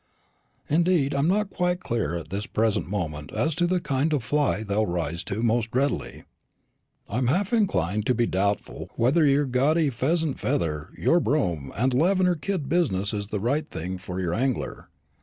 Indeed, I'm not quite clear at this present moment as to the kind of fly they'll rise to most readily. I'm half inclined to be doubtful whether your gaudy pheasant feather, your brougham and lavender kid business is the right thing for your angler.